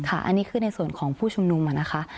อันนี้คือในส่วนของผู้ชุมนุมนะคะ